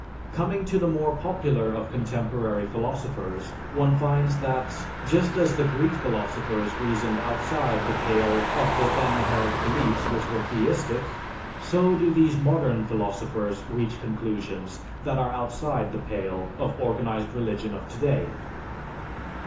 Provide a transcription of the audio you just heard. Coming to the more popular of contemporary philosophers one finds that, just as the Greek philosophers reasoned outside the pale of the then held beliefs which were theistic, so do these modern philosophers reach conclusions that are outside the pale of organized religion of today.